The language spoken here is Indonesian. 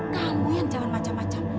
kamu yang jangan macam macam